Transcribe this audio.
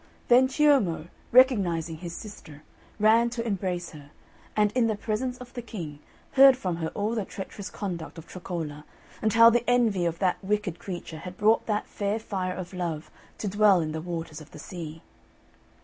Then Ciommo, recognising his sister, ran to embrace her, and in the presence of the King heard from her all the treacherous conduct of Troccola, and how the envy of that wicked creature had brought that fair fire of love to dwell in the waters of the sea.